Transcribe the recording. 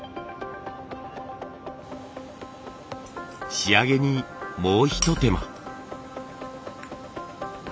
仕上げにもうひと手間。